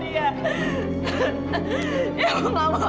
daripada ibu harus terima uang dari dia